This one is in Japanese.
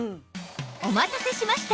お待たせしました！